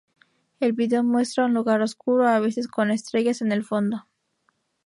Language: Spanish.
El video muestra un lugar oscuro, a veces con estrellas en el fondo.